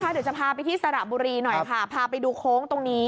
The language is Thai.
เดี๋ยวจะพาไปที่สระบุรีหน่อยค่ะพาไปดูโค้งตรงนี้